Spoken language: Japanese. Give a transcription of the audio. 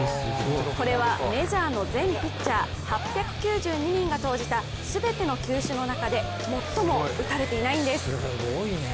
これはメジャーの全ピッチャー８９２人が投じた全ての球種の中で最も打たれていないんです。